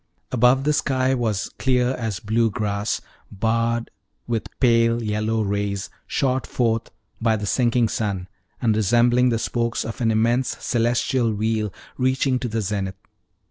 Above, the sky was clear as blue glass, barred with pale yellow rays, shot forth by the sinking sun, and resembling the spokes of an immense celestial wheel reaching to the zenith.